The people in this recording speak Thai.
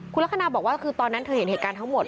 คุณลักษณะบอกว่าคือตอนนั้นเธอเห็นเหตุการณ์ทั้งหมด